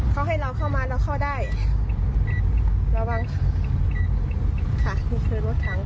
เขาให้เราเข้ามาเราเข้าได้ระวังค่ะนี่คือรถถัง